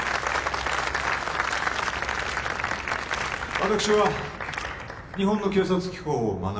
私は日本の警察機構を学び